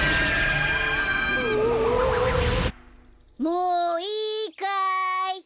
もういいかい。